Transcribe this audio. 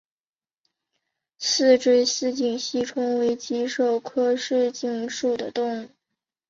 似锥低颈吸虫为棘口科低颈属的动物。